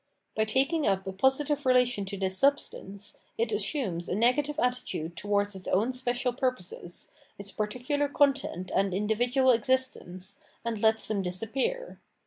By taking up a positive relation to this substance, it assumes a negative attitude towards its own special purposes, its par ticular content and individual existence, and lets them disappear.